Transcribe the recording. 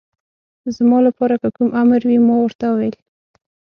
زما لپاره که کوم امر وي، ما ورته وویل.